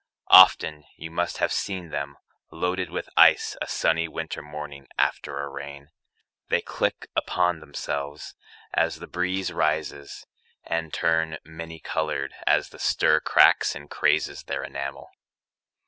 Often you must have seen them Loaded with ice a sunny winter morning After a rain. They click upon themselves As the breeze rises, and turn many colored As the stir cracks and crazes their enamel.